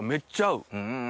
うん！